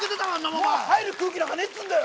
もう入る空気なんかねえっつうんだよ。